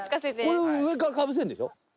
これ上からかぶせるんでしょ？